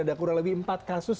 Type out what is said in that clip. ada kurang lebih empat kasus